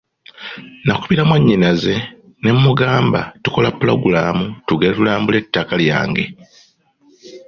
Nakubira mwannyinaze ne mmugamba tukola pulogulaamu tugende tulambule ettaka lyange.